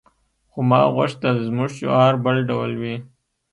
خو ما غوښتل زموږ شعار بل ډول وي